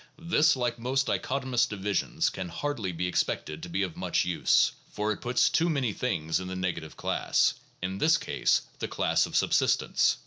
This, like most dichotomous divisions, can hardly be expected to be of much use ; for it puts too many things in the negative class (in this case, the class of subsistents).